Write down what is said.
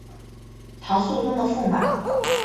唐肃宗的驸马。